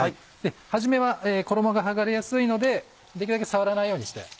始めは衣が剥がれやすいのでできるだけ触らないようにして。